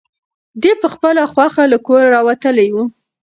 دی په خپله خوښه له کوره راوتلی و.